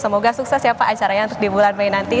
semoga sukses ya pak acaranya untuk di bulan mei nanti